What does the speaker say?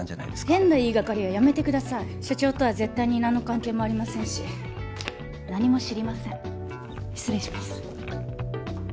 変な言いがかりはやめてください社長とは絶対に何の関係もありませんし何も知りません失礼します